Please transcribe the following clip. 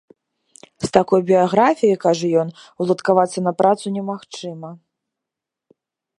З такой біяграфіяй, кажа ён, уладкавацца на працу немагчыма.